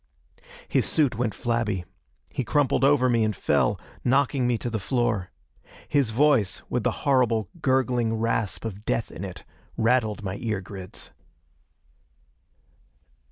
His suit went flabby. He crumpled over me and fell, knocking me to the floor. His voice, with the horrible gurgling rasp of death in it, rattled my ear grids.